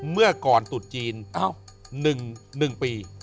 เมื่อก่อนตุดจีน๑ปี